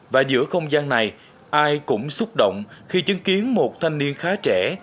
và giữa không gian này ai cũng xúc động khi chứng kiến một thanh niên khá trẻ